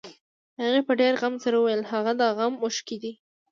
هغې په ډېر غم سره وويل هغه د غم اوښکې دي.